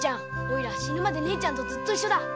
おいら死ぬまで姉ちゃんとずっと一緒だ。